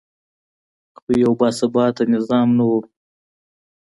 خو یو باثباته نظام نه و